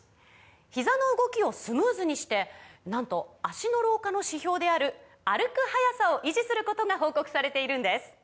ひざの動きをスムーズにしてなんと脚の老化の指標である歩く速さを維持することが報告されているんです